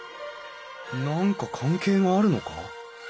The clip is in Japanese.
何か関係があるのか？